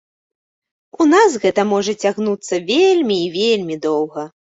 У нас гэта можа цягнуцца вельмі і вельмі доўга.